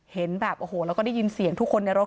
เห็นแบบโอ้โหแล้วก็ได้ยินเสียงทุกคนในรถ